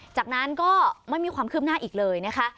จากนั้นก็ไม่มีความคืบหน้าอีกเลยนะคะ